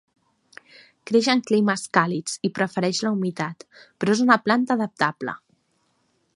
Creix en climes càlids i prefereix la humitat, però és una planta adaptable.